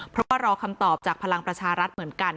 เพราะว่ารอคำตอบจากพลังประชารัฐเหมือนกัน